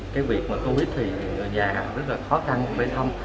cái việc covid một mươi chín thì người già rất là khó khăn bên thân